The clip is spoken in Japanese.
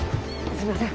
すみません。